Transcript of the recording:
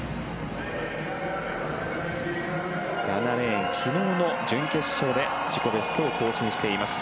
７レーン、昨日の準決勝で自己ベストを更新しています。